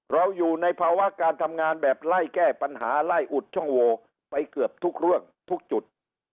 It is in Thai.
เราอยู่ในภาวะการทำงานแบบไล่แก้ปัญหาไล่อุดช่องโวไปเกือบทุกเรื่องทุกจุด